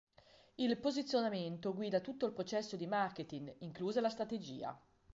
Il posizionamento guida tutto il processo di marketing, inclusa la strategia.